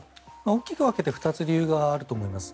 大きく分けて２つ理由があると思います。